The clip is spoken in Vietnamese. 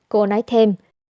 cô nói thêm